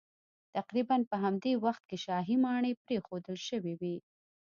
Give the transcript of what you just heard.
تقریبا په همدې وخت کې شاهي ماڼۍ پرېښودل شوې وې